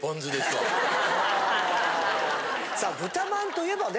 さあ豚まんといえばね